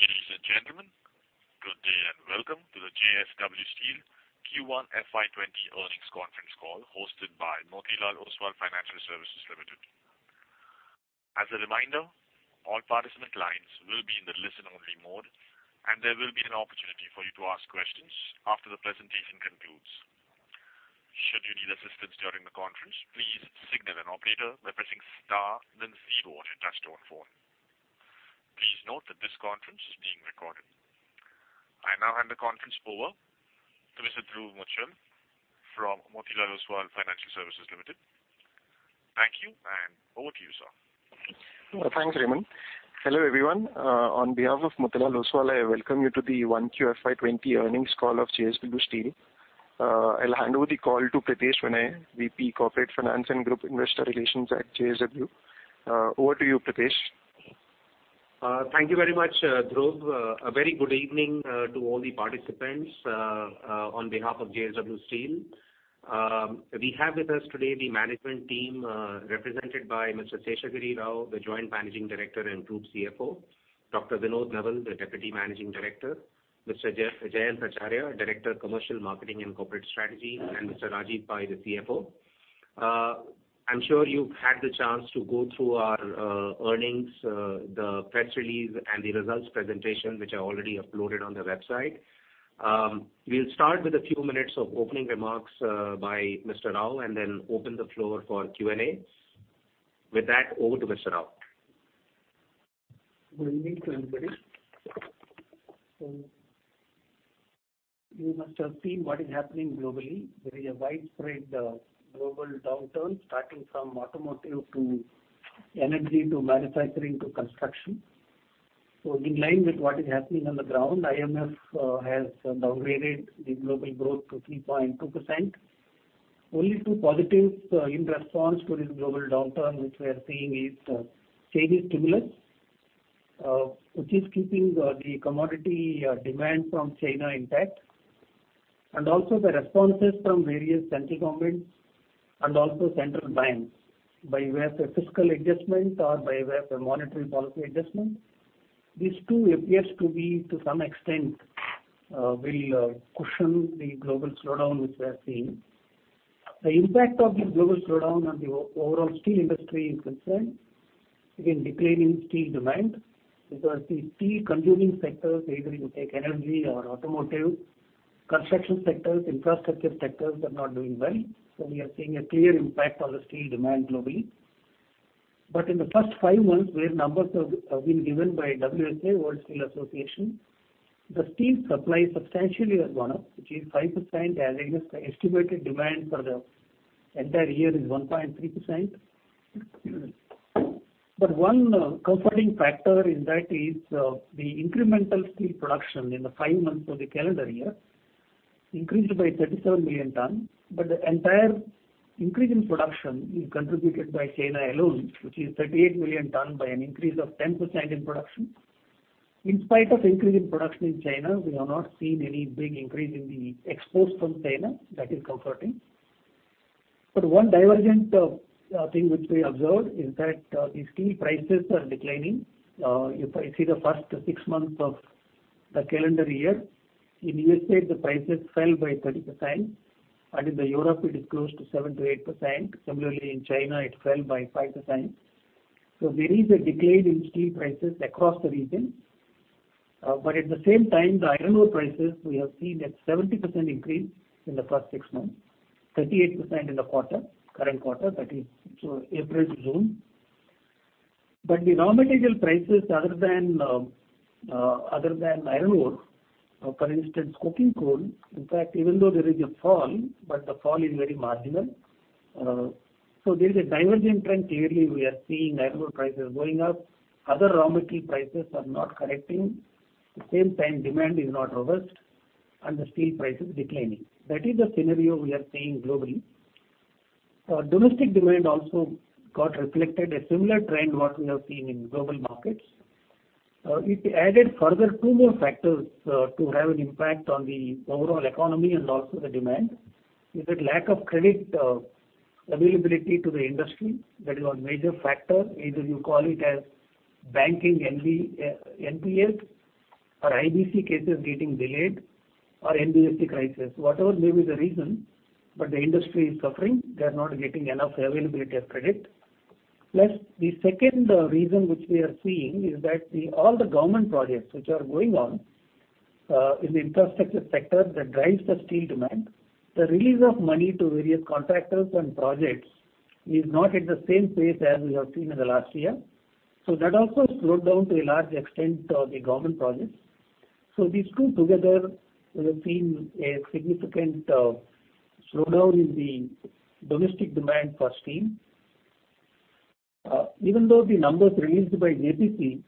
Ladies and gentlemen, good day and welcome to the JSW Steel Q1 FY2020 Earnings Conference Call hosted by Motilal Oswal Financial Services. As a reminder, all participant lines will be in the listen-only mode, and there will be an opportunity for you to ask questions after the presentation concludes. Should you need assistance during the conference, please signal an operator by pressing star, then zero on your touch-tone phone. Please note that this conference is being recorded. I now hand the conference over to Mr. Dhruv Muchhal from Motilal Oswal Financial Services Limited. Thank you, and over to you, sir. Thanks, Raymond. Hello everyone. On behalf of Motilal Oswal, I welcome you to the one QFY20 earnings call of JSW Steel. I'll hand over the call to Pritesh Vinay, VP Corporate Finance and Group Investor Relations at JSW. Over to you, Pritesh. Thank you very much, Dhruv. A very good evening to all the participants on behalf of JSW Steel. We have with us today the management team represented by Mr. Seshagiri Rao, the Joint Managing Director and Group CFO, Dr. Vinod Nowal, the Deputy Managing Director, Mr. Jayant Acharya, Director of Commercial, Marketing, and Corporate Strategy, and Mr. Rajeev Pai, the CFO. I'm sure you've had the chance to go through our earnings, the press release, and the results presentation, which are already uploaded on the website. We'll start with a few minutes of opening remarks by Mr. Rao and then open the floor for Q&A. With that, over to Mr. Rao. Good evening to everybody. You must have seen what is happening globally. There is a widespread global downturn starting from automotive to energy to manufacturing to construction. In line with what is happening on the ground, IMF has downgraded the global growth to 3.2%. Only two positives in response to this global downturn which we are seeing is Chinese stimulus, which is keeping the commodity demand from China intact, and also the responses from various central governments and also central banks by way of a fiscal adjustment or by way of a monetary policy adjustment. These two appears to be, to some extent, will cushion the global slowdown which we are seeing. The impact of the global slowdown on the overall steel industry is concerned with declining steel demand because the steel-consuming sectors, whether you take energy or automotive, construction sectors, infrastructure sectors are not doing well. We are seeing a clear impact on the steel demand globally. In the past five months, where numbers have been given by WSA, World Steel Association, the steel supply substantially has gone up, which is 5%, and estimated demand for the entire year is 1.3%. One comforting factor in that is the incremental steel production in the five months of the calendar year increased by 37 million tons. The entire increase in production is contributed by China alone, which is 38 million tons by an increase of 10% in production. In spite of increasing production in China, we have not seen any big increase in the exports from China. That is comforting. One divergent thing which we observed is that the steel prices are declining. If I see the first six months of the calendar year, in the U.S.A., the prices fell by 30%, and in Europe, it is close to 7%-8%. Similarly, in China, it fell by 5%. There is a decline in steel prices across the region. At the same time, the iron ore prices, we have seen a 70% increase in the past six months, 38% in the current quarter, that is April to June. The raw material prices, other than iron ore, for instance, coking coal, in fact, even though there is a fall, the fall is very marginal. There is a diverging trend clearly. We are seeing iron ore prices going up. Other raw material prices are not correcting. At the same time, demand is not robust, and the steel prices are declining. That is the scenario we are seeing globally. Domestic demand also got reflected, a similar trend to what we have seen in global markets. It added further two more factors to have an impact on the overall economy and also the demand. Is it lack of credit availability to the industry? That is one major factor. Either you call it as banking NPAs or IBC cases getting delayed or NBFC crisis, whatever may be the reason, but the industry is suffering. They are not getting enough availability of credit. Plus, the second reason which we are seeing is that all the government projects which are going on in the infrastructure sector that drive the steel demand, the release of money to various contractors and projects is not at the same pace as we have seen in the last year. That also slowed down to a large extent the government projects. These two together, we have seen a significant slowdown in the domestic demand for steel. Even though the numbers released by JPC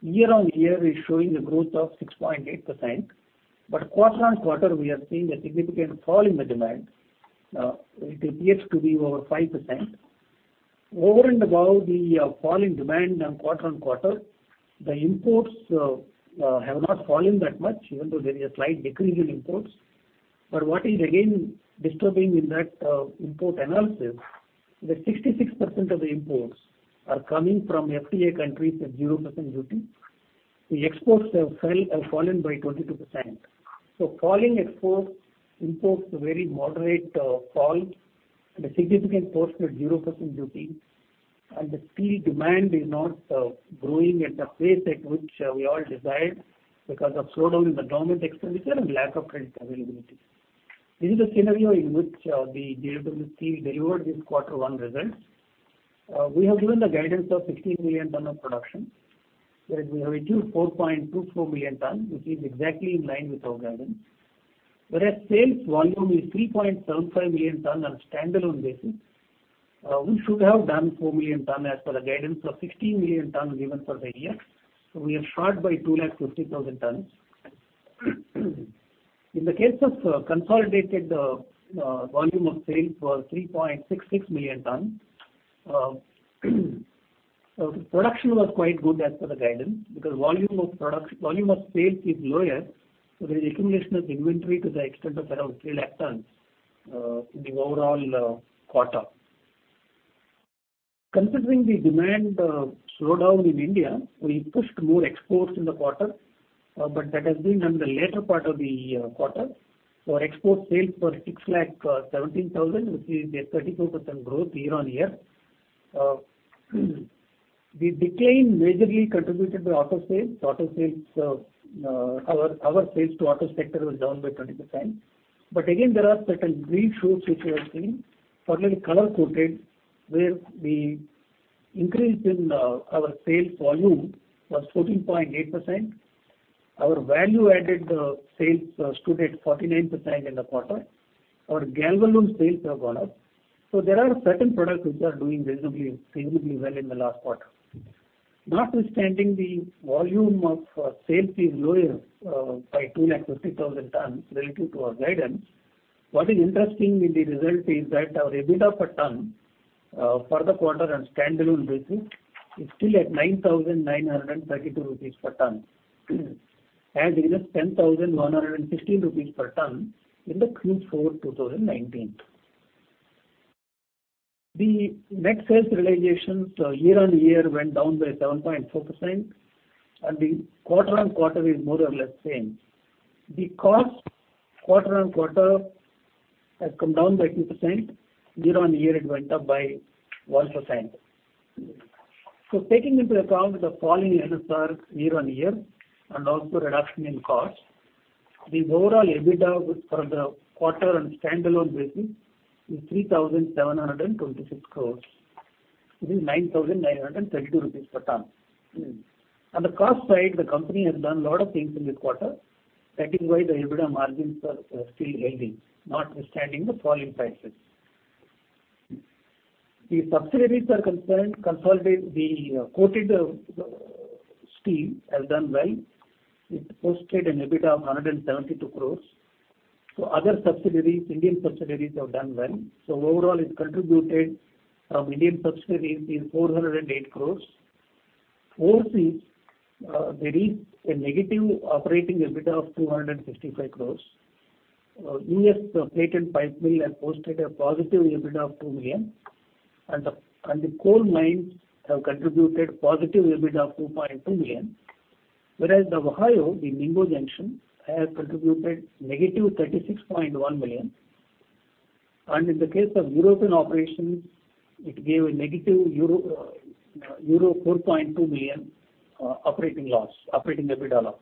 year-on-year are showing a growth of 6.8%, quarter on quarter, we are seeing a significant fall in the demand. It appears to be over 5%. Over and above the fall in demand quarter on quarter, the imports have not fallen that much, even though there is a slight decrease in imports. What is again disturbing in that import analysis, 66% of the imports are coming from FTA countries at 0% duty. The exports have fallen by 22%. Falling exports impose a very moderate fall, a significant portion at 0% duty, and the steel demand is not growing at the pace at which we all desired because of slowdown in the government expenditure and lack of credit availability. This is the scenario in which JSW Steel delivered this quarter one results. We have given the guidance of 16 million tons of production, whereas we have achieved 4.24 million tons, which is exactly in line with our guidance. Whereas sales volume is 3.75 million tons on a standalone basis, we should have done 4 million tons as per the guidance of 16 million tons given for the year. We are short by 250,000 tons. In the case of consolidated volume of sales, it was 3.66 million tons. Production was quite good as per the guidance because volume of sales is lower, so there is accumulation of inventory to the extent of around 300,000 tons in the overall quarter. Considering the demand slowdown in India, we pushed more exports in the quarter, but that has been done in the later part of the quarter. Our export sales were 617,000, which is a 34% growth year-on-year. The decline majorly contributed to auto sales. Our sales to auto sector was down by 20%. Again, there are certain green shoots which we have seen, probably color coated, where the increase in our sales volume was 14.8%. Our value-added sales stood at 49% in the quarter. Our Galvalume sales have gone up. There are certain products which are doing reasonably well in the last quarter. Notwithstanding, the volume of sales is lower by 250,000 tons relative to our guidance. What is interesting in the result is that our EBITDA per ton for the quarter on standalone basis is still at 9,932 rupees per ton, as it is 10,115 rupees per ton in Q4 2019. The net sales realization year-on-year went down by 7.4%, and the quarter on quarter is more or less same. The cost quarter on quarter has come down by 2%. Year-on-year, it went up by 1%. Taking into account the fall in NSR year-on-year and also reduction in cost, the overall EBITDA for the quarter on standalone basis is 3,726 crore. It is 9,932 rupees per ton. On the cost side, the company has done a lot of things in this quarter. That is why the EBITDA margins are still helding, notwithstanding the fall in prices. The subsidiaries are concerned. The coated steel has done well. It posted an EBITDA of 172 crore. Other subsidiaries, Indian subsidiaries, have done well. Overall, it contributed from Indian subsidiaries is 408 crore. Overseas, there is a negative operating EBITDA of 265 crore. U.S. plate and pipe mill has posted a positive EBITDA of $2 million, and the coal mines have contributed a positive EBITDA of $2.2 million, whereas the Ohio, the Mingo Junction, has contributed negative $36.1 million. In the case of European operations, it gave a negative euro 4.2 million operating loss, operating EBITDA loss.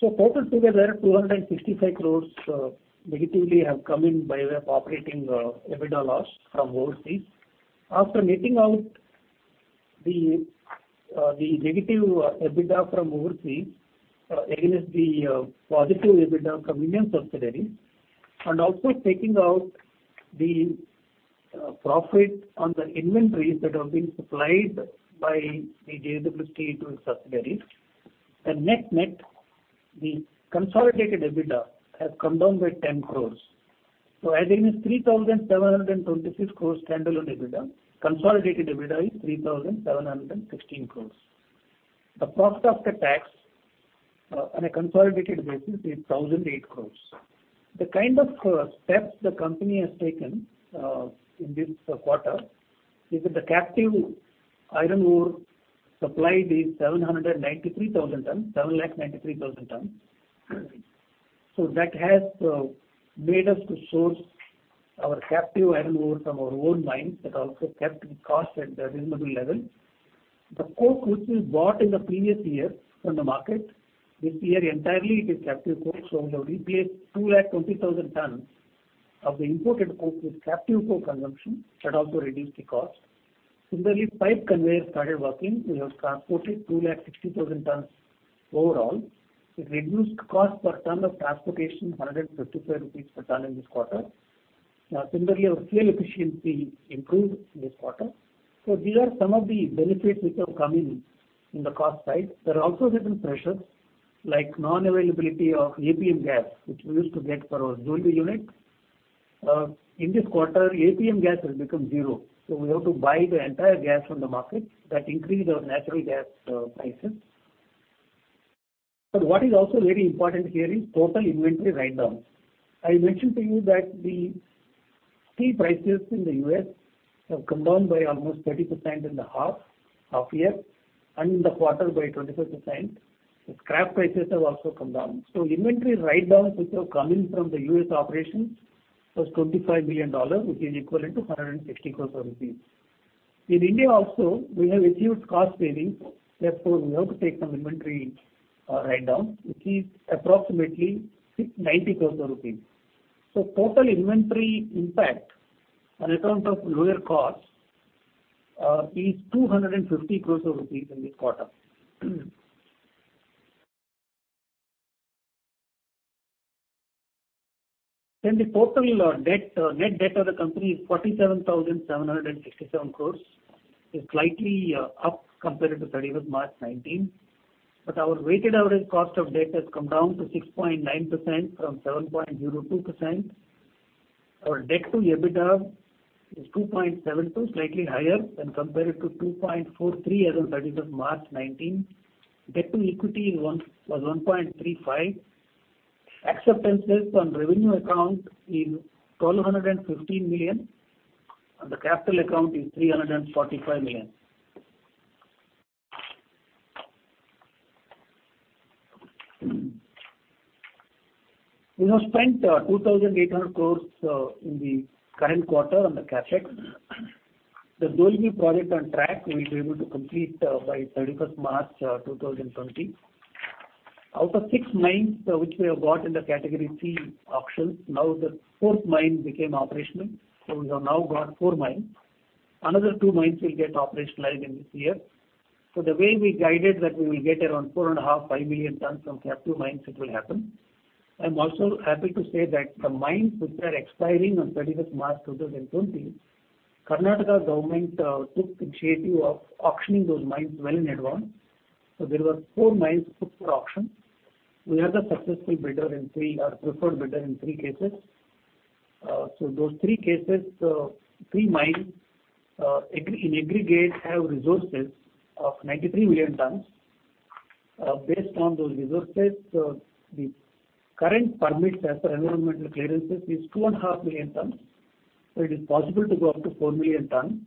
Total together, 265 crore negatively have come in by way of operating EBITDA loss from overseas. After netting out the negative EBITDA from overseas against the positive EBITDA from Indian subsidiaries, and also taking out the profit on the inventories that have been supplied by JSW Steel to its subsidiaries, the net-net, the consolidated EBITDA has come down by 10 crore. As it is, 3,726 crore standalone EBITDA, consolidated EBITDA is 3,716 crore. The profit after tax on a consolidated basis is 1,008 crore. The kind of steps the company has taken in this quarter is that the captive iron ore supplied is 793,000 tons, 793,000 tons. That has made us source our captive iron ore from our own mines that also kept the cost at a reasonable level. The coke which we bought in the previous year from the market, this year entirely it is captive coke. We have replaced 220,000 tons of the imported coke with captive coke consumption that also reduced the cost. Similarly, pipe conveyors started working. We have transported 260,000 tons overall. It reduced cost per ton of transportation, 155 rupees per ton in this quarter. Similarly, our fuel efficiency improved this quarter. These are some of the benefits which have come in on the cost side. There are also different pressures like non-availability of APM gas, which we used to get for our solar unit. In this quarter, APM gas has become zero. We have to buy the entire gas from the market. That increased our natural gas prices. What is also very important here is total inventory write-down. I mentioned to you that the steel prices in the U.S. have come down by almost 30% in the half year, and in the quarter by 25%. The scrap prices have also come down. Inventory write-downs which have come in from the U.S. operations was $25 million, which is equivalent to 160 crore rupees. In India also, we have achieved cost savings. Therefore, we have to take some inventory write-down, which is approximately 90 crore rupees. The total inventory impact on account of lower cost is 250,000 crore rupees in this quarter. The total net debt of the company is 47,767 crore. It is slightly up compared to 31 March 2019. Our weighted average cost of debt has come down to 6.9% from 7.02%. Our debt-to-EBITDA is 2.72, slightly higher compared to 2.43 as of 31 March 2019. Debt-to-equity was 1.35. Acceptances on revenue account is $1,215 million, and the capital account is $345 million. We have spent 2,800 crore in the current quarter on the CapEx. The Dolvi project is on track, we will be able to complete by 31 March 2020. Out of six mines which we have got in the Category C auctions, now the fourth mine became operational. We have now got four mines. Another two mines will get operationalized in this year. The way we guided that we will get around 4.55 million tons from those two mines, it will happen. I'm also happy to say that the mines which are expiring on 31 March 2020, Karnataka government took initiative of auctioning those mines well in advance. There were four mines put for auction. We are the successful bidder in three, our preferred bidder in three cases. Those three cases, three mines in aggregate have resources of 93 million tons. Based on those resources, the current permits as per environmental clearances is 2.5 million tons. It is possible to go up to 4 million tons.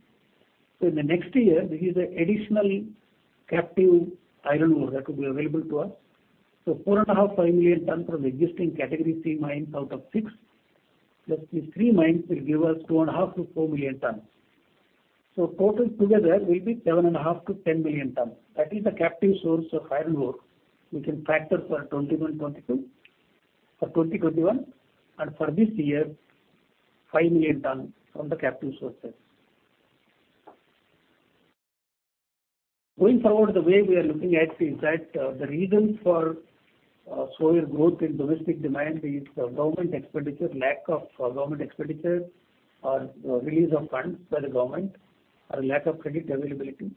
In the next year, this is an additional captive iron ore that will be available to us. So 4.5 million tons-5 million tons from the existing Category C mines out of six, plus these three mines will give us 2.5 million tons-4 million tons. Total together will be 7.5-10 million tons. That is the captive source of iron ore. We can factor for 2021 and for this year, 5 million tons from the captive sources. Going forward, the way we are looking at it is that the reason for slower growth in domestic demand is government expenditure, lack of government expenditure or release of funds by the government, or lack of credit availability.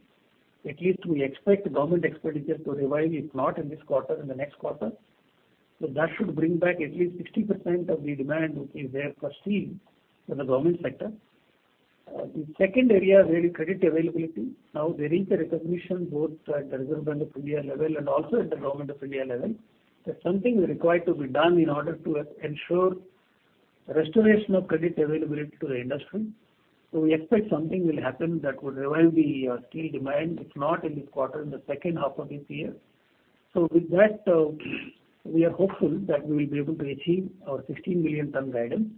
At least we expect government expenditure to revive, if not in this quarter, in the next quarter. That should bring back at least 60% of the demand which is there for steel for the government sector. The second area is credit availability. Now, there is a recognition both at the Reserve Bank of India level and also at the Government of India level that something is required to be done in order to ensure restoration of credit availability to the industry. We expect something will happen that would revive the steel demand, if not in this quarter, in the second half of this year. With that, we are hopeful that we will be able to achieve our 16-million-ton guidance.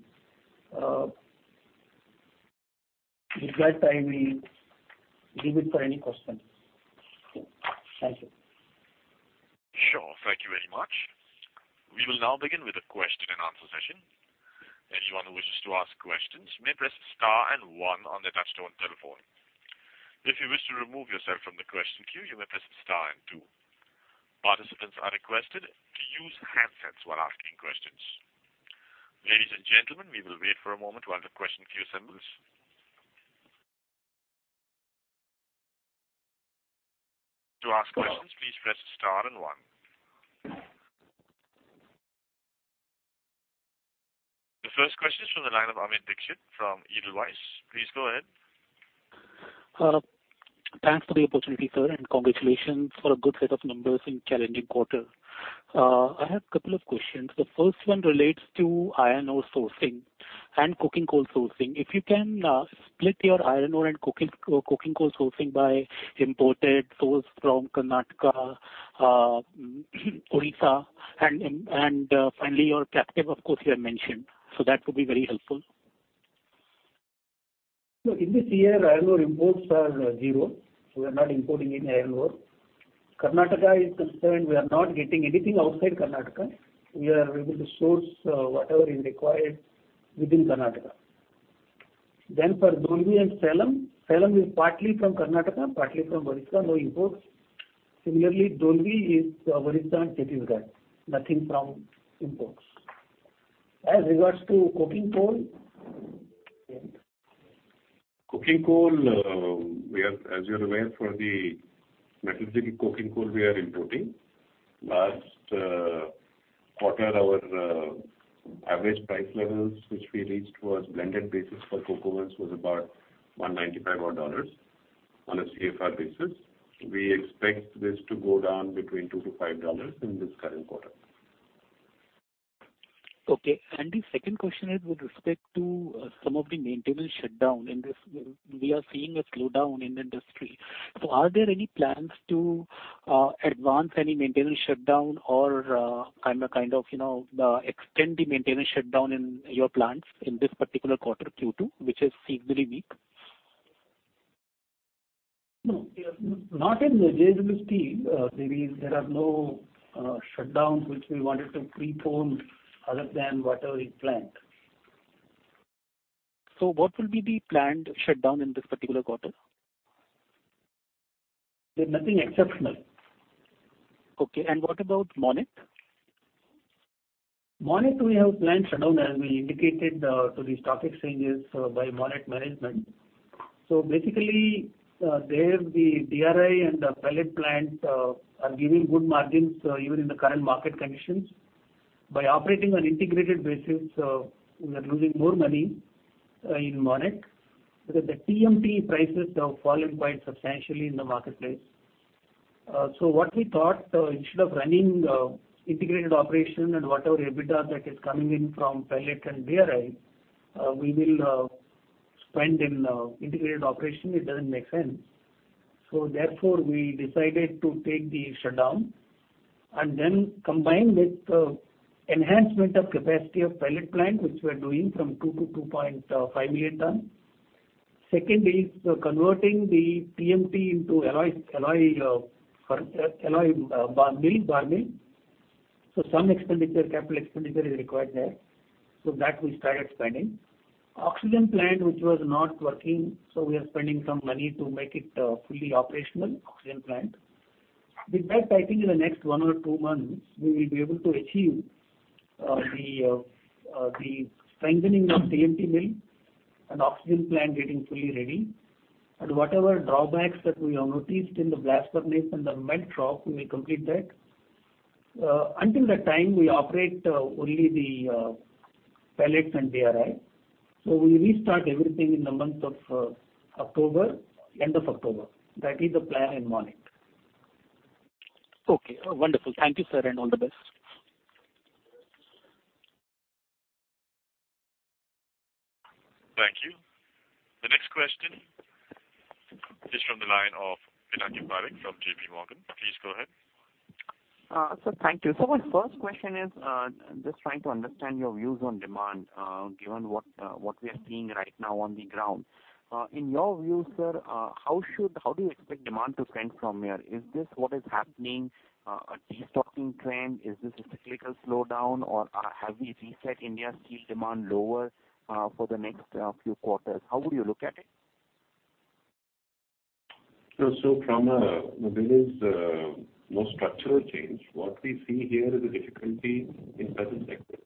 With that, I will leave it for any questions. Thank you. Sure. Thank you very much. We will now begin with a question and answer session. Anyone who wishes to ask questions may press star and one on the touchstone telephone. If you wish to remove yourself from the question queue, you may press star and two. Participants are requested to use handsets while asking questions. Ladies and gentlemen, we will wait for a moment while the question queue assembles. To ask questions, please press star and one. The first question is from the line of Amit Dixit from Edelweiss. Please go ahead. Thanks for the opportunity, sir, and congratulations for a good set of numbers in challenging quarter. I have a couple of questions. The first one relates to iron ore sourcing and coking coal sourcing. If you can split your iron ore and coking coal sourcing by imported source from Karnataka, Odisha, and finally your captive, of course, you have mentioned. That would be very helpful. In this year, iron ore imports are zero. We are not importing any iron ore. Karnataka is concerned, we are not getting anything outside Karnataka. We are able to source whatever is required within Karnataka. Then for Dolvi and Salem, Salem is partly from Karnataka, partly from Odisha, no imports. Similarly, Dolvi is Odisha and Chhattisgarh. Nothing from imports. As regards to coking coal. Coking coal, as you're aware, for the metallurgical coking coal, we are importing. Last quarter, our average price levels which we reached was blended basis for coking coal mines was about $195 on a CFR basis. We expect this to go down between $2-$5 in this current quarter. Okay. The second question is with respect to some of the maintenance shutdown. We are seeing a slowdown in the industry. Are there any plans to advance any maintenance shutdown or kind of extend the maintenance shutdown in your plants in this particular quarter, Q2, which is seasonally weak? No, not in the JSW Steel. There are no shutdowns which we wanted to prepone other than whatever is planned. What will be the planned shutdown in this particular quarter? There is nothing exceptional. Okay. What about Monnet? Monnet, we have planned shutdown as we indicated to the stock exchanges by Monnet Management. Basically, there the DRI and the pellet plants are giving good margins even in the current market conditions. By operating on integrated basis, we are losing more money in Monnet because the TMT prices have fallen quite substantially in the marketplace. What we thought, instead of running integrated operation and whatever EBITDA that is coming in from pellet and DRI, we will spend in integrated operation. It does not make sense. Therefore, we decided to take the shutdown and then combine with enhancement of capacity of pellet plant which we are doing from 2 million tons-2.5 million tons. Second is converting the TMT into alloy or bar mill. Some capital expenditure is required there. We started spending. Oxygen plant which was not working. We are spending some money to make it to a fully operational oxygen plant. With that, I think in the next one or two months, we will be able to achieve the strengthening of TMT mill and oxygen plant getting fully ready. Whatever drawbacks that we have noticed in the blast furnace and the melt shop, we will complete that. Until that time, we operate only the pellets and DRI. We restart everything in the month of October, end of October. That is the plan in Monnet. Okay. Wonderful. Thank you, sir, and all the best. Thank you. The next question is from the line of Pinakin Parekh from JPMorgan. Please go ahead. Thank you. My first question is just trying to understand your views on demand given what we are seeing right now on the ground. In your view, sir, how do you expect demand to trend from here? Is this what is happening, a restocking trend? Is this a technical slowdown, or have we reset India's steel demand lower for the next few quarters? How would you look at it? There is no structural change. What we see here is a difficulty in certain sectors.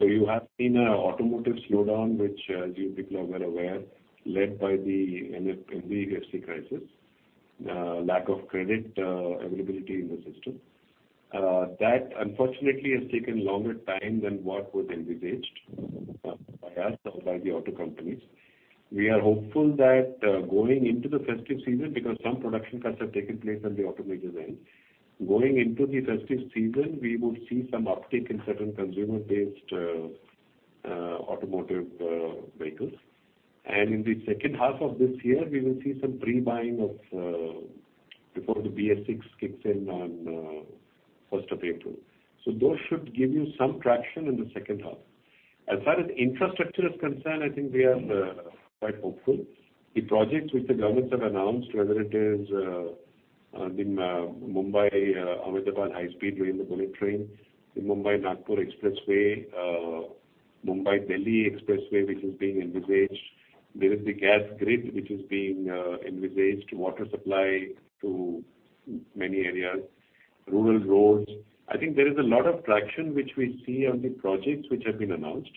You have seen an automotive slowdown, which, as you people are well aware, is led by the NBFC crisis, lack of credit availability in the system. That, unfortunately, has taken longer time than what was envisaged by us or by the auto companies. We are hopeful that going into the festive season, because some production cuts have taken place on the automaker's end. Going into the festive season, we would see some uptick in certain consumer-based automotive vehicles. In the second half of this year, we will see some pre-buying before the BS-VI kicks in on 1st of April. Those should give you some traction in the second half. As far as infrastructure is concerned, I think we are quite hopeful. The projects which the governments have announced, whether it is the Mumbai Ahmedabad High-Speed Rail, the bullet train, the Mumbai Nagpur Expressway, Mumbai-Delhi Expressway, which is being envisaged, there is the gas grid which is being envisaged, water supply to many areas, rural roads. I think there is a lot of traction which we see on the projects which have been announced.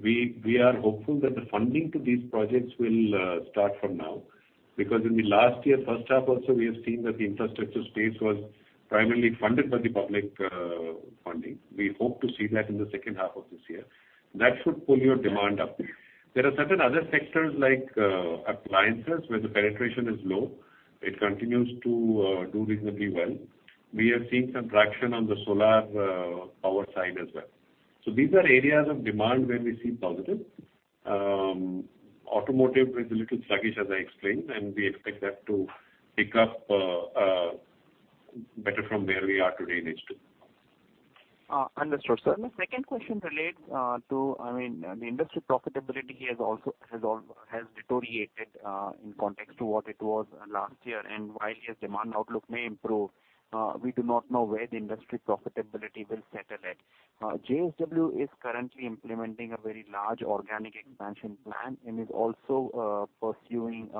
We are hopeful that the funding to these projects will start from now because in the last year, first half also, we have seen that the infrastructure space was primarily funded by the public funding. We hope to see that in the second half of this year. That should pull your demand up. There are certain other sectors like appliances where the penetration is low. It continues to do reasonably well. We are seeing some traction on the solar power side as well. These are areas of demand where we see positive. Automotive is a little sluggish, as I explained, and we expect that to pick up better from where we are today in H2. Understood. Sir, the second question relates to, I mean, the industry profitability has deteriorated in context to what it was last year. While yes, demand outlook may improve, we do not know where the industry profitability will settle at. JSW is currently implementing a very large organic expansion plan and is also pursuing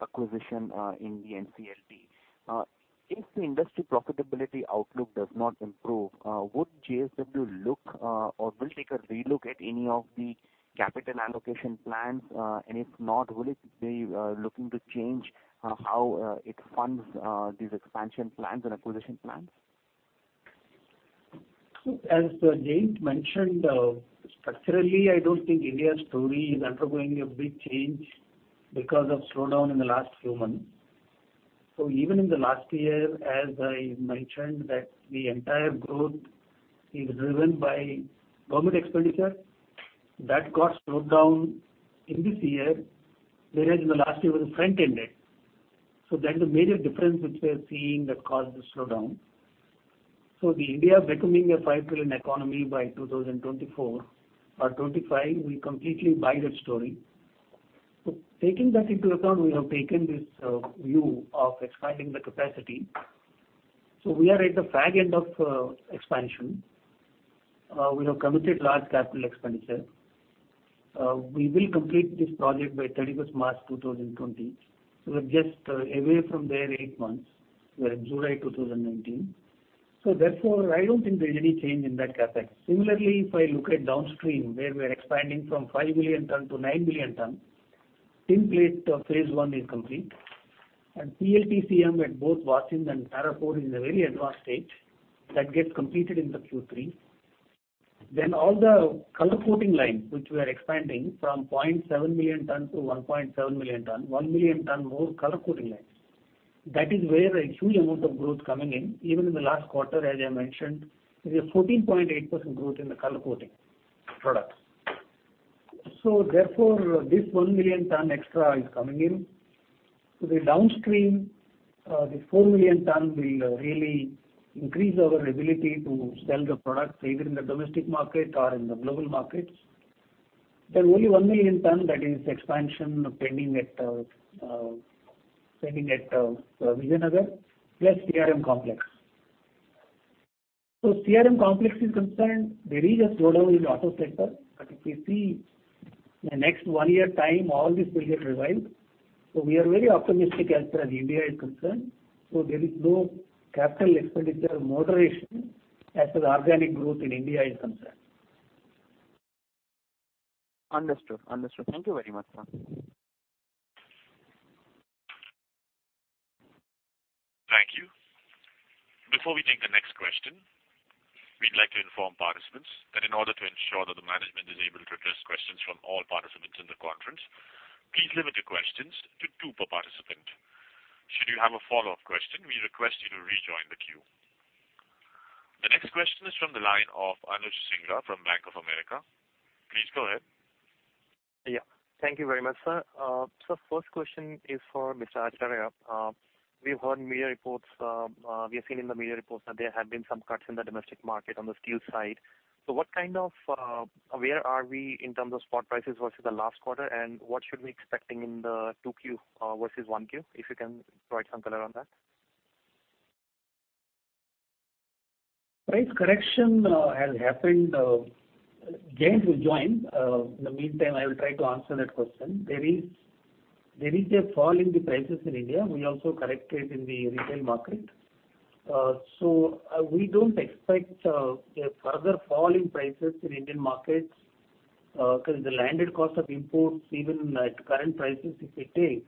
acquisition in the NCLT. If the industry profitability outlook does not improve, would JSW look or will take a relook at any of the capital allocation plans? If not, will it be looking to change how it funds these expansion plans and acquisition plans? As Jayant mentioned, structurally, I don't think India's story is undergoing a big change because of slowdown in the last few months. Even in the last year, as I mentioned, the entire growth is driven by government expenditure. That got slowed down in this year. Whereas in the last year, it was front-ended. That's the major difference which we are seeing that caused the slowdown. The India becoming a $5 trillion economy by 2024 or 2025, we completely buy that story. Taking that into account, we have taken this view of expanding the capacity. We are at the far end of expansion. We have committed large capital expenditure. We will complete this project by 31 March 2020. We are just away from there eight months. We are in July 2019. Therefore, I do not think there is any change in that CapEx. Similarly, if I look at downstream where we are expanding from 5 million tons to 9 million tons. Tinplate phase I is complete. PLTCM at both Vasind and Tarapur is in a very advanced stage. That gets completed in the Q3. All the color coating line which we are expanding from 0.7 million tons to 1.7 million tons, 1 million tons more color coating line. That is where a huge amount of growth coming in. Even in the last quarter, as I mentioned, there is a 14.8% growth in the color-coating products. Therefore, this 1 million tons extra is coming in. The downstream, this 4 million tons will really increase our ability to sell the products either in the domestic market or in the global markets. Only 1 million tons, that is expansion pending at Vijayanagar plus CRM complex. As far as CRM complex is concerned, there is a slowdown in the auto sector, but if we see in the next one year time, all this will get revived. We are very optimistic as far as India is concerned. There is no capital expenditure moderation as far as organic growth in India is concerned. Understood. Understood. Thank you very much, sir. Thank you. Before we take the next question, we'd like to inform participants that in order to ensure that the management is able to address questions from all participants in the conference, please limit your questions to two per participant. Should you have a follow-up question, we request you to rejoin the queue. The next question is from the line of Anuj Singla from Bank of America. Please go ahead. Yeah. Thank you very much, sir. Sir, first question is for Mr. Acharya. We've heard media reports. We have seen in the media reports that there have been some cuts in the domestic market on the steel side. So what kind of where are we in terms of spot prices versus the last quarter, and what should we be expecting in the 2Q versus 1Q if you can provide some color on that? Right. Correction has happened. Jayant will join. In the meantime, I will try to answer that question. There is a fall in the prices in India. We also corrected in the retail market. We do not expect a further fall in prices in Indian markets because the landed cost of imports, even at current prices, if we take,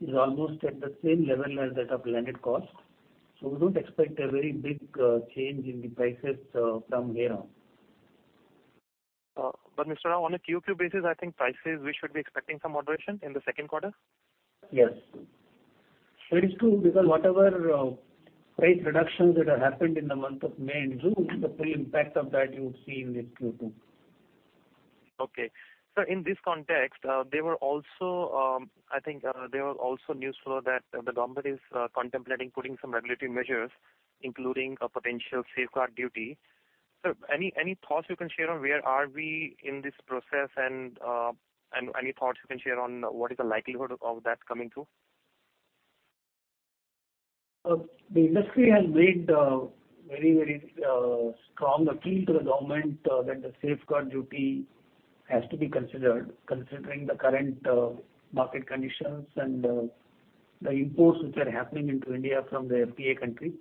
is almost at the same level as that of landed cost. We do not expect a very big change in the prices from here on. Sir, on a Q2 basis, I think prices, we should be expecting some moderation in the second quarter? Yes. That is true because whatever price reductions that have happened in the month of May and June, the full impact of that you would see in this Q2. Okay. Sir, in this context, I think there were also news flow that the government is contemplating putting some regulatory measures, including a potential safeguard duty. Sir, any thoughts you can share on where are we in this process and any thoughts you can share on what is the likelihood of that coming to? The industry has made a very, very strong appeal to the government that the safeguard duty has to be considered considering the current market conditions and the imports which are happening into India from the FTA countries.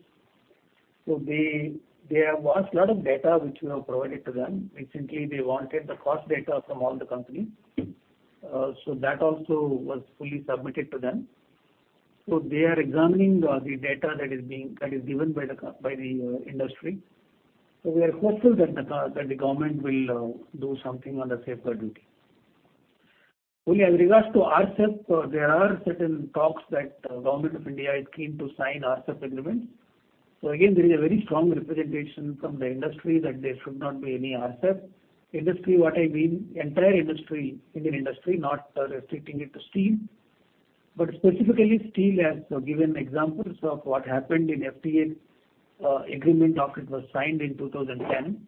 There was a lot of data which we have provided to them. Recently, they wanted the cost data from all the companies. That also was fully submitted to them. They are examining the data that is given by the industry. We are hopeful that the government will do something on the safeguard duty. Only with regards to RCEP, there are certain talks that the government of India is keen to sign RCEP agreements. There is a very strong representation from the industry that there should not be any RCEP. Industry, what I mean, entire industry, Indian industry, not restricting it to steel. Specifically, steel has given examples of what happened in FTA agreement after it was signed in 2010.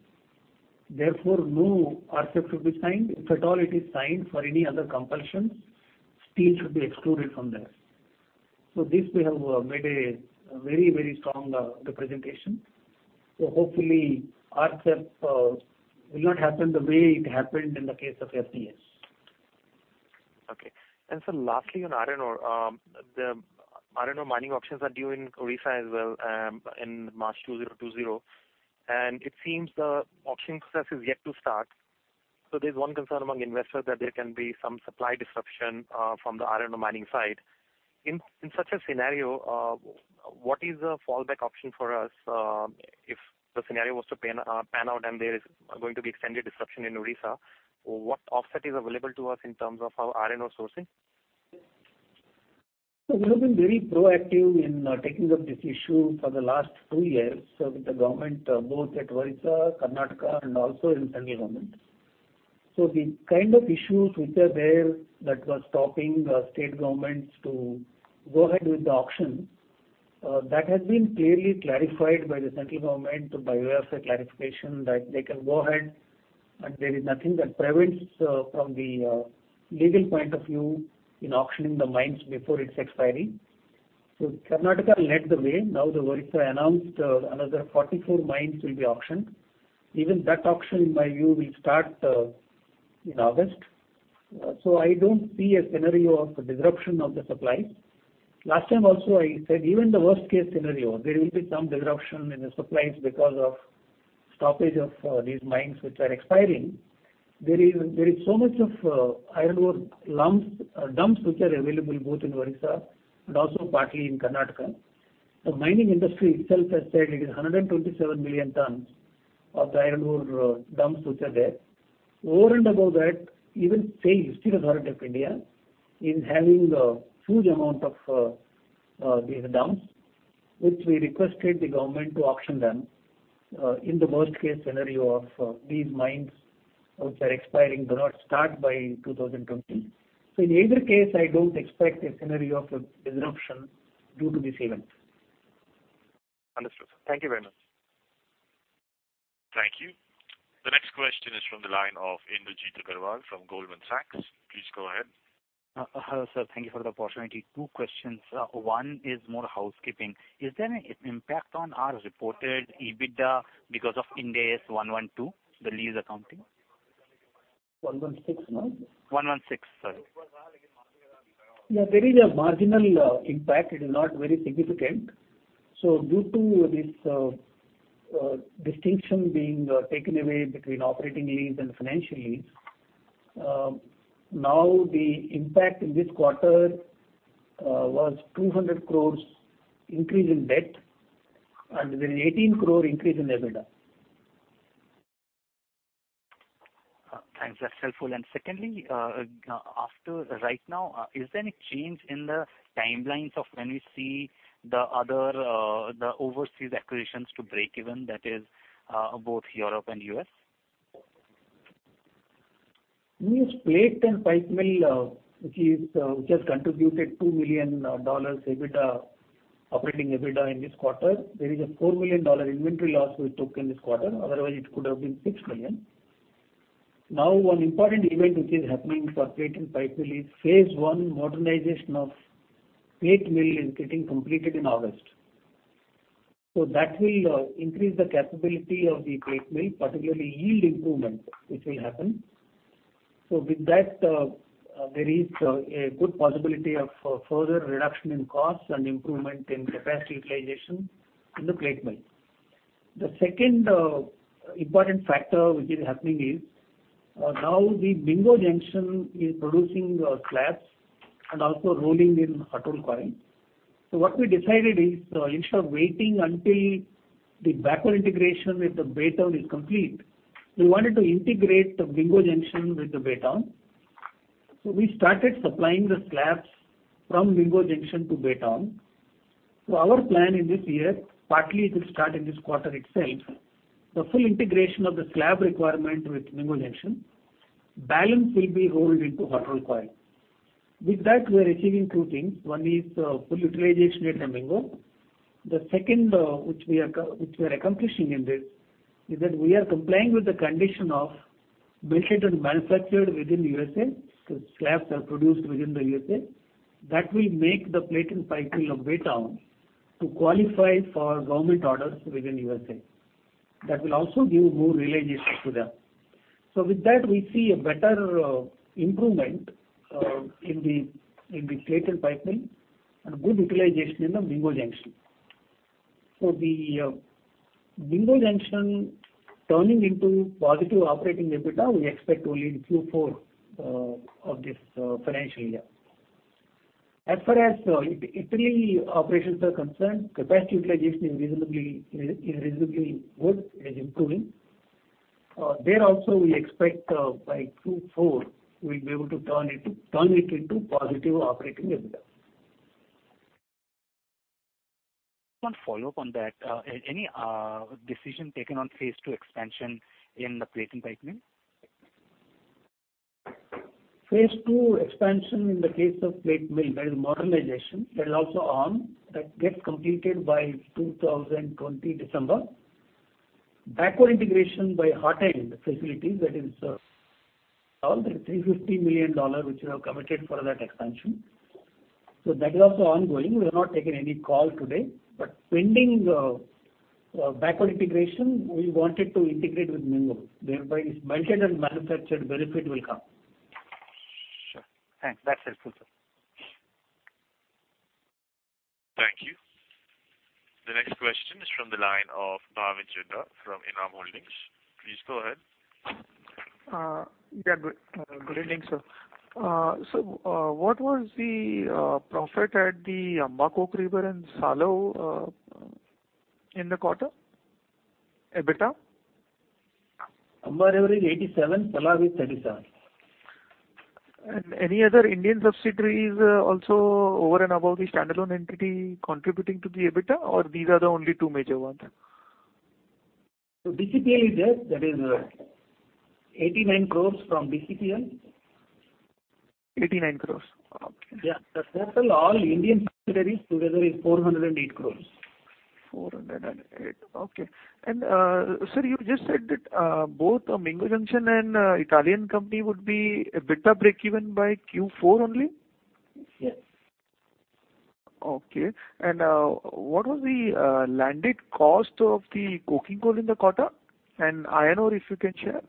Therefore, no RCEP should be signed. If at all it is signed for any other compulsions, steel should be excluded from there. This we have made a very, very strong representation. Hopefully, RCEP will not happen the way it happened in the case of FTA. Okay. Sir, lastly, on iron ore, the iron ore mining auctions are due in Odisha as well in March 2020. It seems the auction process is yet to start. There is one concern among investors that there can be some supply disruption from the iron ore mining side. In such a scenario, what is the fallback option for us if the scenario was to pan out and there is going to be extended disruption in Odisha? What offset is available to us in terms of our iron ore sourcing? We have been very proactive in taking up this issue for the last two years, sir, with the government, both at Odisha, Karnataka, and also in the central government. The kind of issues which are there that were stopping state governments to go ahead with the auction, that has been clearly clarified by the central government by way of a clarification that they can go ahead, and there is nothing that prevents from the legal point of view in auctioning the mines before its expiry. Karnataka led the way. Now, Odisha announced another 44 mines will be auctioned. Even that auction, in my view, will start in August. I don't see a scenario of disruption of the supplies. Last time also, I said even in the worst-case scenario, there will be some disruption in the supplies because of stoppage of these mines which are expiring. There is so much of iron ore dumps which are available both in Odisha and also partly in Karnataka. The mining industry itself has said it is 127 million tons of the iron ore dumps which are there. Over and above that, even SAIL, Steel Authority of India is having a huge amount of these dumps, which we requested the government to auction in the worst-case scenario if these mines which are expiring do not start by 2020. In either case, I don't expect a scenario of disruption due to this event. Understood, sir. Thank you very much. Thank you. The next question is from the line of Indrajit Agarwal from Goldman Sachs. Please go ahead. Hello, sir. Thank you for the opportunity. Two questions. One is more housekeeping. Is there an impact on our reported EBITDA because of Ind AS 112, the lease accounting? 116, sorry. Yeah, there is a marginal impact. It is not very significant. Due to this distinction being taken away between operating lease and financial lease, now the impact in this quarter was 200 crore increase in debt and 118 crore increase in EBITDA. Thanks. That's helpful. Secondly, right now, is there any change in the timelines of when we see the overseas acquisitions to break even, that is, both Europe and US? We use plate and pipe mill which has contributed $2 million operating EBITDA in this quarter. There is a $4 million inventory loss we took in this quarter. Otherwise, it could have been $6 million. Now, one important event which is happening for plate and pipe mill is phase I modernization of plate mill is getting completed in August. That will increase the capability of the plate mill, particularly yield improvement, which will happen. With that, there is a good possibility of further reduction in costs and improvement in capacity utilization in the plate mill. The second important factor which is happening is now with Mingo Junction is producing slabs and also rolling in hot rolled coil. What we decided is instead of waiting until the backward integration with the Baytown is complete, we wanted to integrate the Mingo Junction with the Baytown. We started supplying the slabs from Mingo Junction to Baytown. Our plan in this year, partly it will start in this quarter itself, the full integration of the slab requirement with Mingo Junction. Balance will be rolled into hot rolled coil. With that, we are achieving two things. One is full utilization rate in Mingo. The second which we are accomplishing in this is that we are complying with the condition of built and manufactured within U.S.A. Slabs are produced within the U.S.A. That will make the plate and pipe mill of Baytown to qualify for government orders within U.S.A. That will also give more revenues to them. With that, we see a better improvement in the plate and pipe mill and good utilization in the Mingo Junction. The Mingo Junction turning into positive operating EBITDA, we expect only in Q4 of this financial year. As far as Italy operations are concerned, capacity utilization is reasonably good. It is improving. There also, we expect by Q4, we'll be able to turn it into positive operating EBITDA. One follow-up on that. Any decision taken on phase two expansion in the plate and pipe mill? Phase II expansion in the case of plate mill, that is modernization, that is also on. That gets completed by 2020 December. Backward integration by hot-end facilities, that is, there is $350 million which we have committed for that expansion. So that is also ongoing. We have not taken any call today. Pending backward integration, we wanted to integrate with Mingo. Thereby, this melted and manufactured benefit will come. Sure. Thanks. That's helpful, sir. Thank you. The next question is from the line of Bhavin Chheda from ENAM Holdings. Please go ahead. Yeah, good. Good evening, sir. So what was the profit at the Amba Coke River and Salav in the quarter? EBITDA? Amba River is 87, Salav is 37. Any other Indian subsidiaries also over and above the standalone entity contributing to the EBITDA? Or these are the only two major ones? DCPL is there. That is 89 crore from DCPL. 89 crore. Okay. That's all Indian subsidiaries together is 408 crore. 408. Okay. Sir, you just said that both Mingo Junction and Italian company would be EBITDA break- even by Q4 only? Yes. Okay. What was the landed cost of the coking coal in the quarter? And iron ore, if you can share?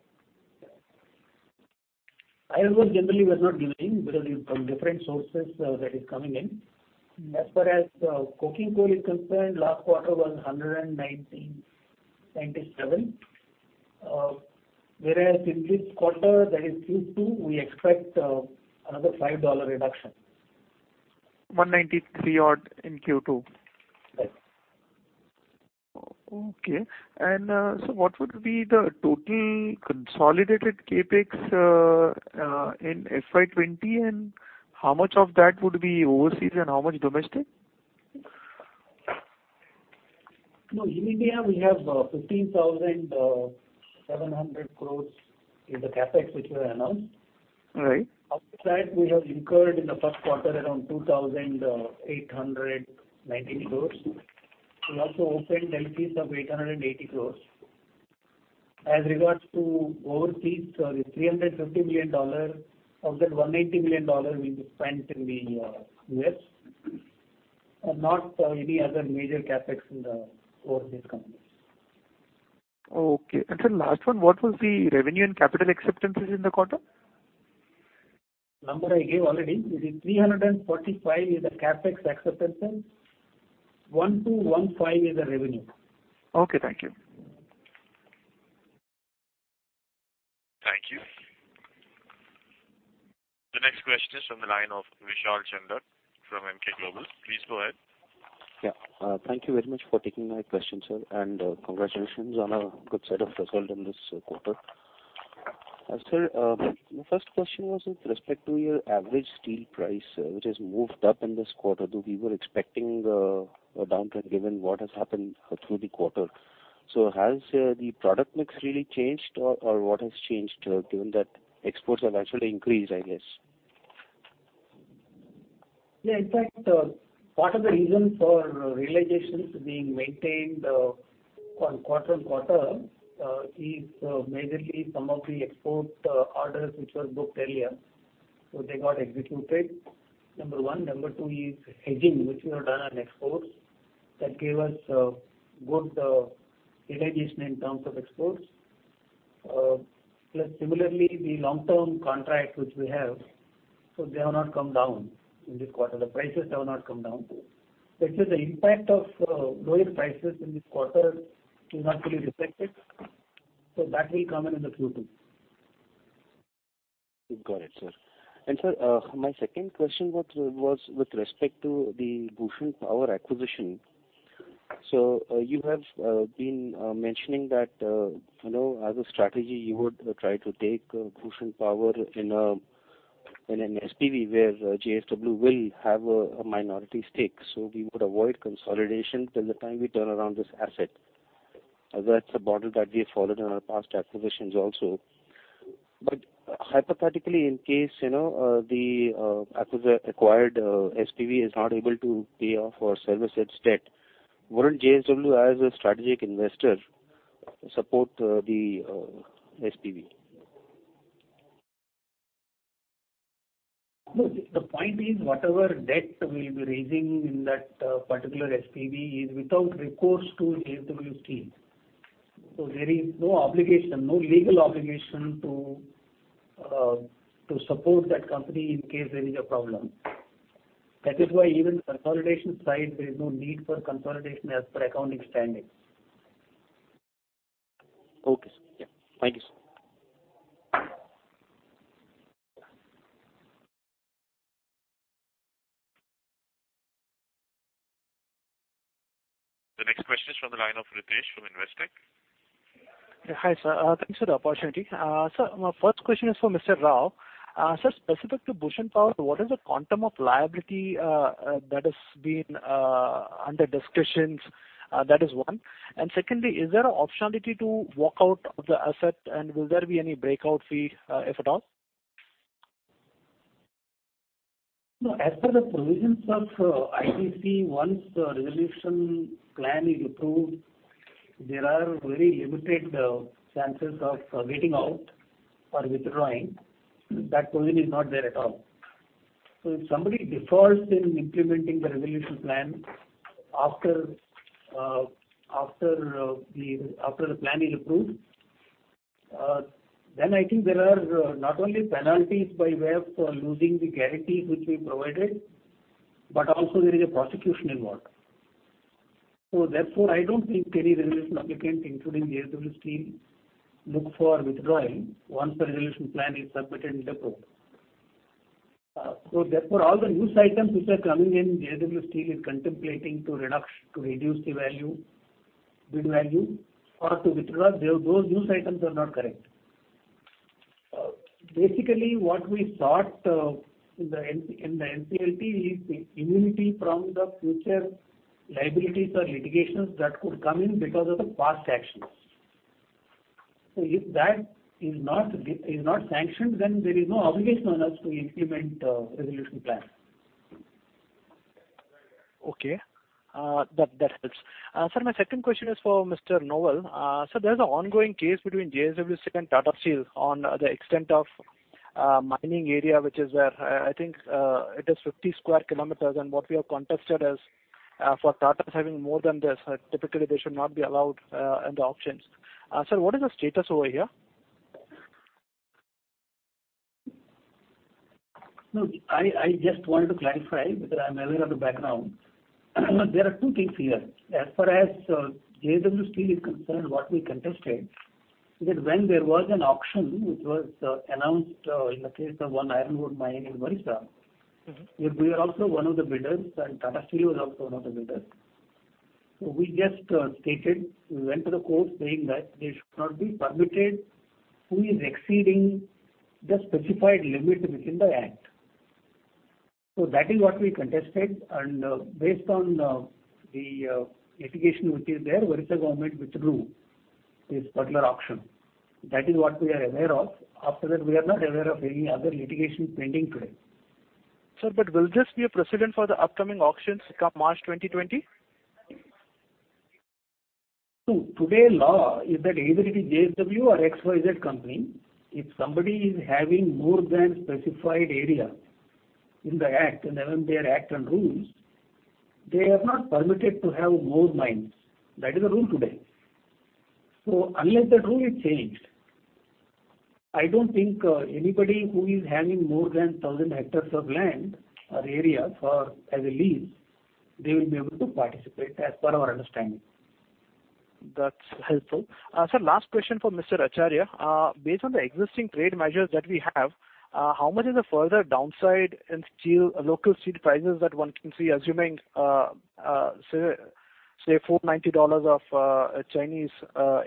Iron ore generally was not giving because from different sources that is coming in. As far as coking coal is concerned, last quarter was $197. Whereas in this quarter, that is Q2, we expect another $5 reduction. $193 odd in Q2? Correct. Okay. Sir, what would be the total consolidated CapEx in FY 2020? How much of that would be overseas and how much domestic? No, in India, we have 15,700 crore in the CapEx which we have announced. Outside, we have incurred in the first quarter around 2,819 crore. We also opened LCs of 880 crore. As regards to overseas, the $350 million, of that $190 million will be spent in the U.S. and not any other major CapEx in the overseas companies. Okay. Sir, last one, what was the revenue and capital acceptances in the quarter? Number I gave already. It is 345 crore is the CapEx acceptances. 1,215 crore is the revenue. Okay. Thank you. Thank you. The next question is from the line of Vishal Chandak from Emkay Global. Please go ahead. Yeah. Thank you very much for taking my question, sir. Congratulations on a good set of results in this quarter. Sir, my first question was with respect to your average steel price, which has moved up in this quarter, though we were expecting a downtrend given what has happened through the quarter. Has the product mix really changed? Or what has changed given that exports have actually increased, I guess? Yeah. In fact, part of the reason for realizations being maintained on quarter on quarter is majorly some of the export orders which were booked earlier. They got executed. Number one. Number two is hedging which we have done on exports. That gave us good realization in terms of exports. Plus, similarly, the long-term contracts which we have, they have not come down in this quarter. The prices have not come down. That means the impact of lowered prices in this quarter is not fully reflected. That will come in in the Q2. Got it, sir. Sir, my second question was with respect to the Bhushan Power acquisition. You have been mentioning that as a strategy, you would try to take Bhushan Power in an SPV where JSW will have a minority stake. We would avoid consolidation till the time we turn around this asset. That is a model that we have followed in our past acquisitions also. Hypothetically, in case the acquired SPV is not able to pay off or service its debt, would JSW, as a strategic investor, support the SPV? No. The point is whatever debt we will be raising in that particular SPV is without recourse to JSW Steel. There is no obligation, no legal obligation to support that company in case there is a problem. That is why even on the consolidation side, there is no need for consolidation as per accounting standing. Okay, sir. Thank you, sir. The next question is from the line of Ritesh from Investec. Hi, sir. Thanks for the opportunity. Sir, my first question is for Mr. Rao. Sir, specific to Bhushan Power, what is the quantum of liability that has been under discussions? That is one. Secondly, is there an optionality to walk out of the asset? Will there be any breakout fee, if at all? No. As per the provisions of IBC, once the resolution plan is approved, there are very limited chances of getting out or withdrawing. That provision is not there at all. If somebody defaults in implementing the resolution plan after the plan is approved, then I think there are not only penalties by way of losing the guarantees which we provided, but also there is a prosecution involved. Therefore, I don't think any resolution applicant, including JSW Steel, looks for withdrawal once the resolution plan is submitted and approved. Therefore, all the news items which are coming in that JSW Steel is contemplating to reduce the value, bid value, or to withdraw, those news items are not correct. Basically, what we thought in the NCLT is immunity from the future liabilities or litigations that could come in because of the past actions. If that is not sanctioned, then there is no obligation on us to implement the resolution plan. Okay. That helps. Sir, my second question is for Mr. Nowal. Sir, there is an ongoing case between JSW Steel and Tata Steel on the extent of mining area, which is where I think it is 50 sq km. What we have contested is for Tata's having more than this. Typically, they should not be allowed in the options. Sir, what is the status over here? I just wanted to clarify because I'm aware of the background. There are two things here. As far as JSW Steel is concerned, what we contested is that when there was an option which was announced in the case of one iron ore mine in Odisha, we are also one of the bidders, and Tata Steel was also one of the bidders. We just stated, we went to the court saying that there should not be permitted who is exceeding the specified limit within the act. That is what we contested. Based on the litigation which is there, Odisha government withdrew this particular option. That is what we are aware of. After that, we are not aware of any other litigation pending today. Sir, will this be a precedent for the upcoming auctions come March 2020? Today's law is that either it is JSW or XYZ company, if somebody is having more than the specified area in the act, and even their act and rules, they are not permitted to have more mines. That is the rule today. Unless that rule is changed, I do not think anybody who is having more than 1,000 hectares of land or area as a lease will be able to participate as per our understanding. That's helpful. Sir, last question for Mr. Acharya. Based on the existing trade measures that we have, how much is the further downside in local steel prices that one can see, assuming, say, $490 of Chinese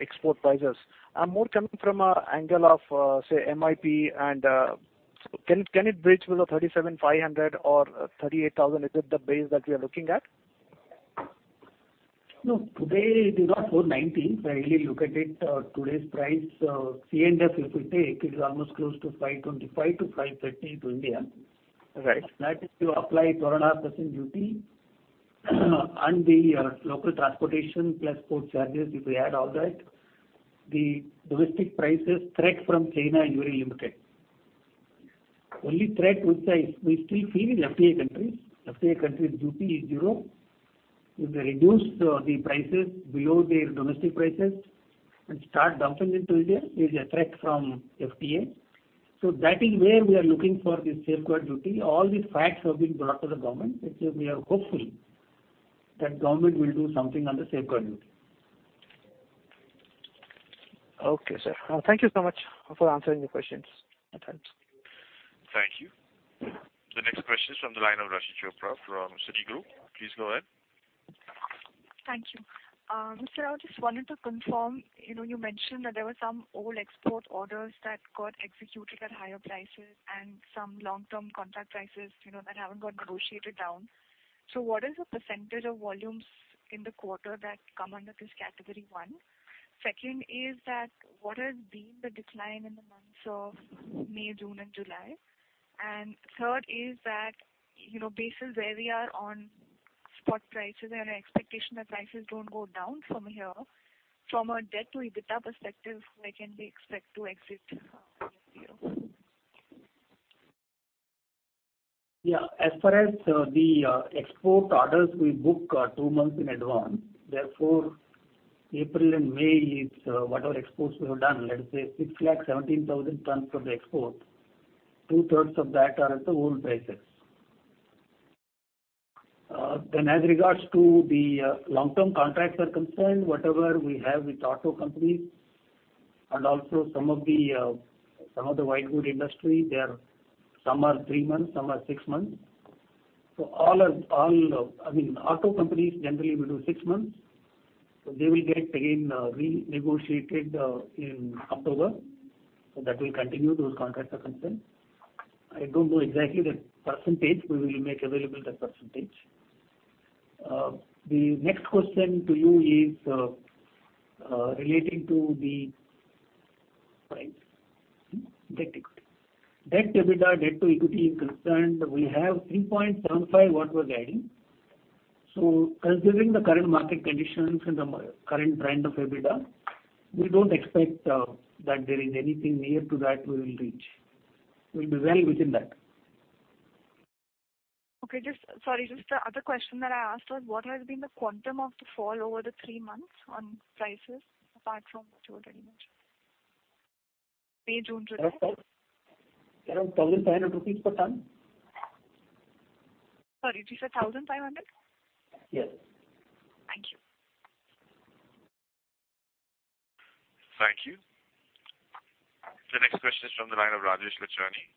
export prices? I am more coming from an angle of, say, MIP. Can it bridge with the 37,500 or 38,000 is it the base that we are looking at? No. Today, it is not $490. If I really look at it, today's price, CNF, if we take, it is almost close to $525-$530 to India. That is to apply processing duty and the local transportation plus port charges. If we add all that, the domestic prices threat from China is very limited. Only threat which we still feel is FTA countries. FTA countries' duty is zero. If they reduce the prices below their domestic prices and start dumping into India, it is a threat from FTA. That is where we are looking for the safeguard duty. All these facts have been brought to the government. We are hopeful that government will do something on the safeguard duty. Okay, sir. Thank you so much for answering the questions. That helps. Thank you. The next question is from the line of Raashi Chopra from Citigroup. Please go ahead. Thank you. Sir, I just wanted to confirm. You mentioned that there were some old export orders that got executed at higher prices and some long-term contract prices that have not got negotiated down. What is the percentage of volumes in the quarter that come under this category, one? Second is that what has been the decline in the months of May, June, and July? Third is that basis where we are on spot prices and our expectation that prices do not go down from here, from a debt-to-EBITDA perspective, where can we expect to exit? Yeah. As far as the export orders, we book two months in advance. Therefore, April and May is whatever exports we have done. Let's say it's like 17,000 tons for the export. Two-thirds of that are at the old prices. As regards to the long-term contracts, whatever we have with auto companies and also some of the white good industry, some are three months, some are six months. I mean, auto companies generally will do six months. They will get again renegotiated in October. That will continue. Those contracts are concerned. I do not know exactly the percentage. We will make available that percentage. The next question to you is relating to the price. Debt-to-EBITDA, debt-to-equity is concerned, we have 3.75 what we are guiding. Considering the current market conditions and the current trend of EBITDA, we do not expect that there is anything near to that we will reach. We will be well within that. Okay. Sorry. Just the other question that I asked was, what has been the quantum of the fall over the three months on prices apart from what you already mentioned? May, June, July? Around INR 1,500 per ton. Sorry. Did you say INR 1,500? Yes. Thank you. Thank you. The next question is from the line of Rajesh Lachhani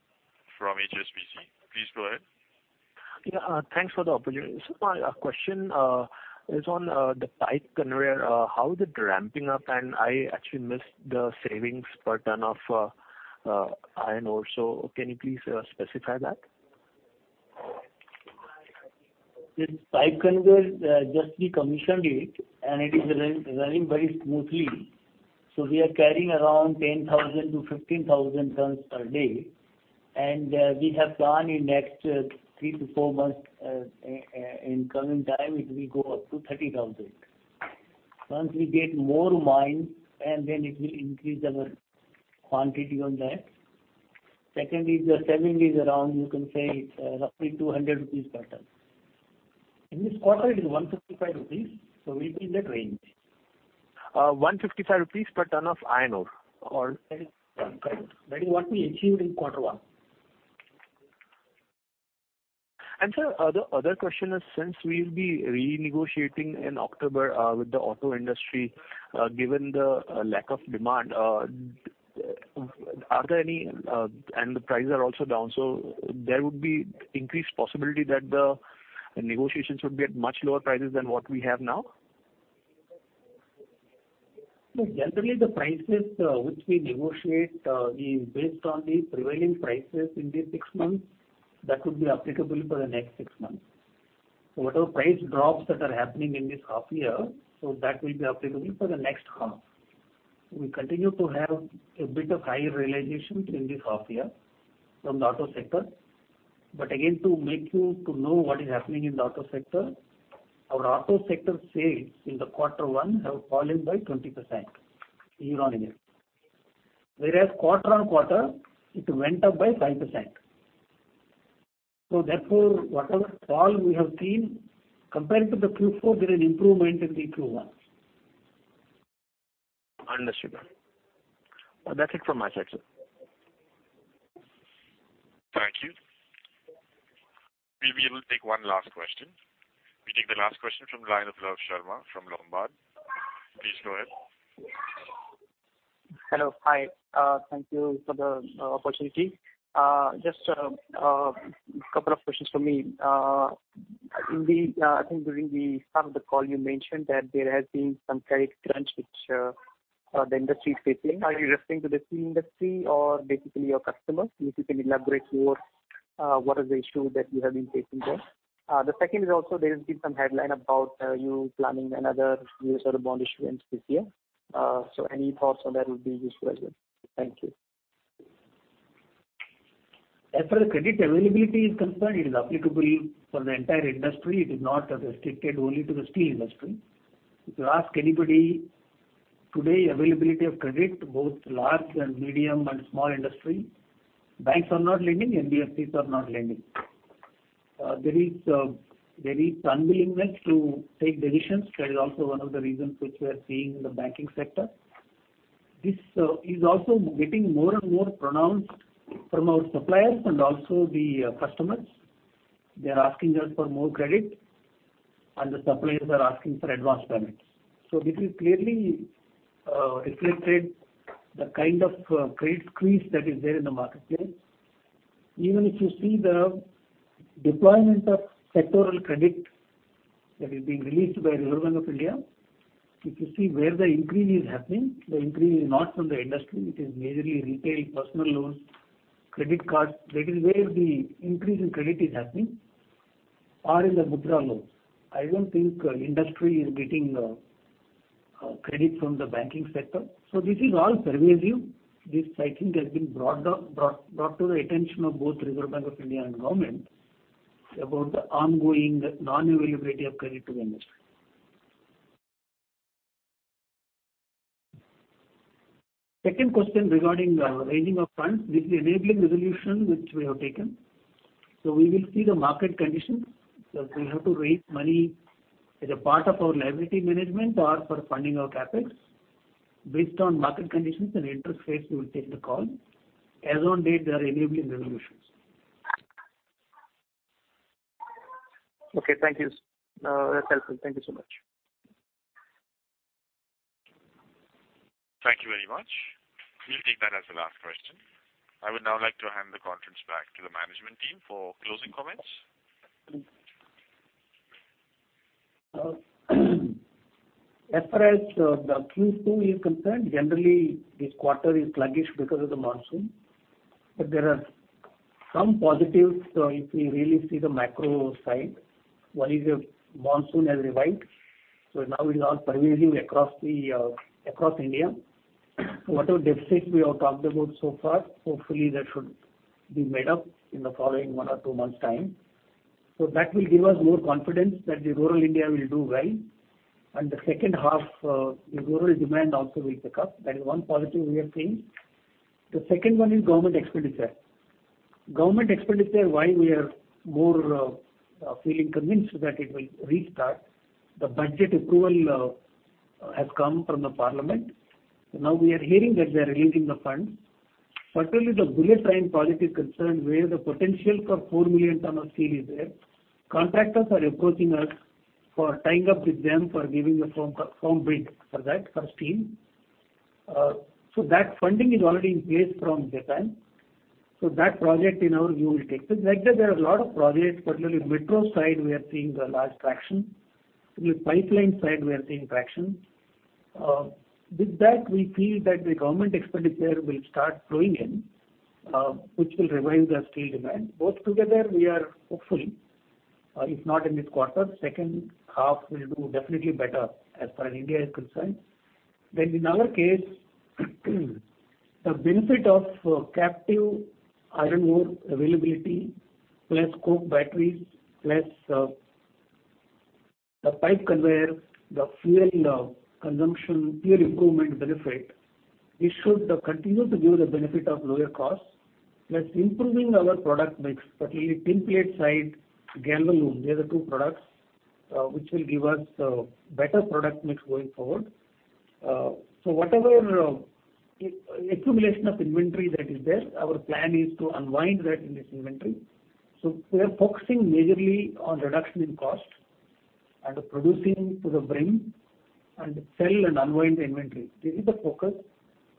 from HSBC. Please go ahead. Yeah. Thanks for the opportunity. Sir, my question is on the pipe conveyor. How is it ramping up? And I actually missed the savings per ton of iron ore. So can you please specify that? The pipe conveyor just we commissioned it, and it is running very smoothly. You know, we are carrying around 10,000 tons-15,000 tons per day. We have planned in next three to four months, in coming time, it will go up to 30,000 tons. Once we get more mines, and then it will increase our quantity on that. Second is the saving is around, you can say, roughly 200 rupees per ton. In this quarter, it is 155 rupees. We'll be in that range. 155 rupees per ton of iron ore. That is what we achieved in quarter one. Sir, the other question is, since we will be renegotiating in October with the auto industry, given the lack of demand, are there any, and the prices are also down, there would be increased possibility that the negotiations would be at much lower prices than what we have now? Generally, the prices which we negotiate are based on the prevailing prices in these six months that would be applicable for the next six months. Whatever price drops that are happening in this half year, that will be applicable for the next half. We continue to have a bit of higher realization in this half year from the auto sector. Again, to make you know what is happening in the auto sector, our auto sector sales in quarter one have fallen by 20% year-on-year, whereas quarter-on-quarter, it went up by 5%. Therefore, whatever fall we have seen compared to Q4, there is an improvement in Q1. Understood. That's it from my side, sir. Thank you. We'll be able to take one last question. We take the last question from the line of Lalit Sharma from Lombard. Please go ahead. Hello. Hi. Thank you for the opportunity. Just a couple of questions for me. I think during the start of the call, you mentioned that there has been some credit crunch which the industry is facing. Are you referring to the steel industry or basically your customers? If you can elaborate more what is the issue that you have been facing there. The second is also there has been some headline about you planning another U.S. bond issuance this year. Any thoughts on that would be useful as well. Thank you. As for the credit availability is concerned, it is applicable for the entire industry. It is not restricted only to the steel industry. If you ask anybody today, availability of credit, both large and medium and small industry, banks are not lending. NBFCs are not lending. There is unwillingness to take decisions. That is also one of the reasons which we are seeing in the banking sector. This is also getting more and more pronounced from our suppliers and also the customers. They are asking us for more credit, and the suppliers are asking for advance payments. This is clearly reflected in the kind of credit squeeze that is there in the marketplace. Even if you see the deployment of sectoral credit that is being released by the Government of India, if you see where the increase is happening, the increase is not from the industry. It is majorly retail, personal loans, credit cards. That is where the increase in credit is happening, or in the withdrawal loans. I do not think industry is getting credit from the banking sector. This is all pervasive. This, I think, has been brought to the attention of both Reserve Bank of India and government about the ongoing non-availability of credit to the industry. Second question regarding the raising of funds. This is enabling resolution which we have taken. We will see the market conditions. We have to raise money as a part of our liability management or for funding of CapEx. Based on market conditions and interest rates, we will take the call. As on date, there are enabling resolutions. Okay. Thank you. That's helpful. Thank you so much. Thank you very much. We'll take that as the last question. I would now like to hand the conference back to the management team for closing comments. As far as the Q2 is concerned, generally, this quarter is sluggish because of the monsoon. There are some positives if we really see the macro side. One is monsoon has arrived. Now it is all pervasive across India. Whatever deficits we have talked about so far, hopefully, that should be made up in the following one or two months' time. That will give us more confidence that rural India will do well. In the second half, the rural demand also will pick up. That is one positive we are seeing. The second one is government expenditure. Government expenditure, why we are more feeling convinced that it will restart. The budget approval has come from the Parliament. Now we are hearing that they are releasing the funds. Certainly, the bullet train project is concerned where the potential for 4 million tons of steel is there. Contractors are approaching us for tying up with them for giving the firm bid for that, for steel. That funding is already in place from Japan. That project, in our view, will take place. Like that, there are a lot of projects, particularly metro side, we are seeing a large traction. Pipeline side, we are seeing traction. With that, we feel that the government expenditure will start flowing in, which will revive the steel demand. Both together, we are hopeful, if not in this quarter, second half will do definitely better as far as India is concerned. In our case, the benefit of captive iron ore availability plus coke batteries plus the pipe conveyor, the fuel consumption, fuel improvement benefit, it should continue to give the benefit of lower cost plus improving our product mix, particularly Tinplate side, Galvalume. These are two products which will give us better product mix going forward. Whatever accumulation of inventory that is there, our plan is to unwind that in this inventory. We are focusing majorly on reduction in cost and producing to the brim and sell and unwind the inventory. This is the focus.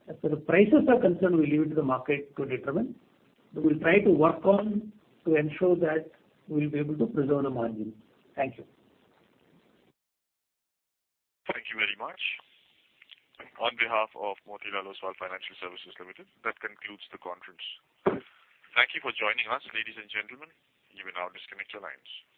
As for the prices are concerned, we will leave it to the market to determine. We will try to work on to ensure that we will be able to preserve the margin. Thank you. Thank you very much. On behalf of Motilal Oswal Financial Services Limited, that concludes the conference. Thank you for joining us, ladies and gentlemen. You may now disconnect your lines.